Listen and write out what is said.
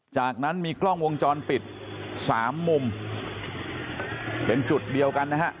จากนั้นมีกล้องวงจรปิดสามมุมเป็นจุดเดียวกันนะฮะ